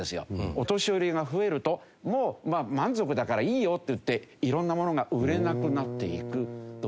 お年寄りが増えるともう満足だからいいよっていって色んなものが売れなくなっていくという。